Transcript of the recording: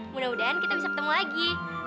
mudah mudahan kita bisa ketemu lagi